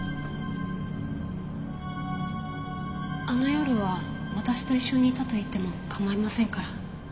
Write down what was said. あの夜は私と一緒にいたと言っても構いませんから。